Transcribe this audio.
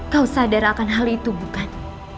kau sadar akan hal itu bukan